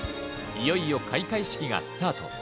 いよいよ開会式がスタート。